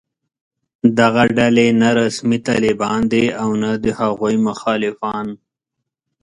دغه ډلې نه رسمي طالبان دي او نه د هغوی مخالفان